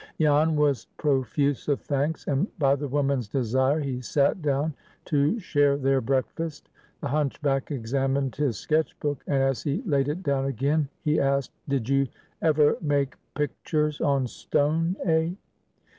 Jan was profuse of thanks, and by the woman's desire he sat down to share their breakfast. The hunchback examined his sketch book, and, as he laid it down again, he asked, "Did you ever make picters on stone, eh?"